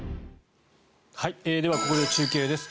ではここで中継です。